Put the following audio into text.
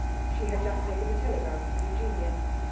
She had just taken the telegram from Eugenia.